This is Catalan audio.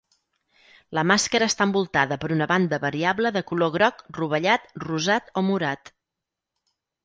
La màscara està envoltada per una banda variable de color groc, rovellat, rosat o morat.